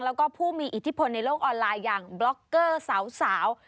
แล้วก็ผู้มีอิทธิพลในโลกออนไลน์อย่างบล็อกเกอร์สาว